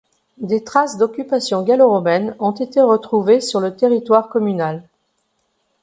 Des traces d'occupation gallo-romaine ont été retrouvées sur le territoire communal.